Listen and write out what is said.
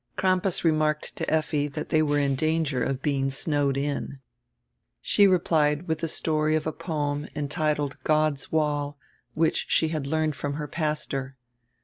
Crampas remarked to Effi diat diey were in danger of being snowed in. She replied widi die story of a poem entitled God's Wall, which she had learned from her pastor.